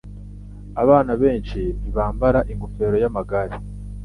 Abana benshi ntibambara ingofero yamagare.